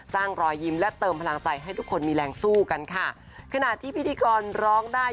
รอยยิ้มและเติมพลังใจให้ทุกคนมีแรงสู้กันค่ะขณะที่พิธีกรร้องได้